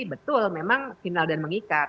betul memang final dan mengikat